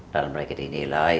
dalam reka di nilai